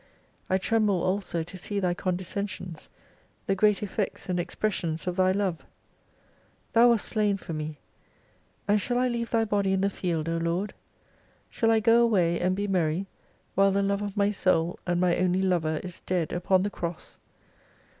I tremble also to see Thy condescencions, the great effects and ex pressions of Thy love ! Thou wast slain for me : and shaU I leave Thy body in the field, O Lord ? ShaU I go away and be merry, while the Love of my soul, and my only Lover is dead upon the cross.